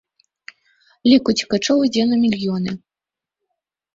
Лік уцекачоў ідзе на мільёны.